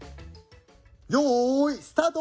よーい、スタート！